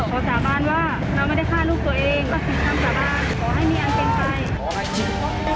พระเจ้าขอสาบานว่าเราไม่ได้ฆ่าลูกตัวเอง